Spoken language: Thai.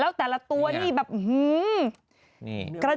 แล้วแต่ละตัวนี่แบบหือ